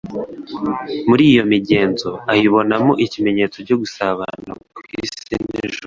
Muri iyo migenzo, ayibonamo ikimenyetso cyo gusabana kw'isi n'ijuru.